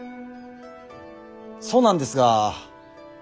そうなんですが。